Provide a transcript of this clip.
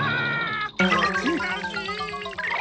はずかしい！